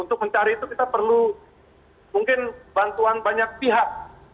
untuk mencari itu kita perlu mungkin bantuan banyak pihak